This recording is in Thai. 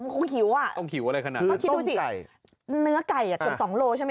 ขึ้นหิวอะไรขนาดนั้น